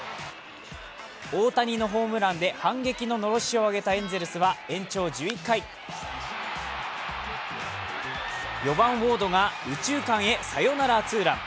大谷のホームランで反撃の、のろしを上げたエンゼルスは延長１１回４番・ウォードが右中間へサヨナラツーラン。